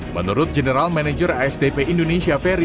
menurut general manager asdp indonesia ferry